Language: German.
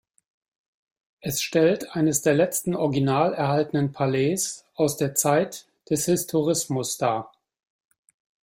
Es stellt eines der letzten original erhaltenen Palais aus der Zeit des Historismus dar.